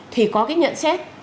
thì có cái nhận xét